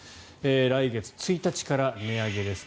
来月１日から値上げです。